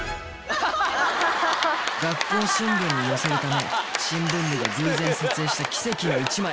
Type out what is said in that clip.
学校新聞に載せるため新聞部が偶然撮影した奇跡の一枚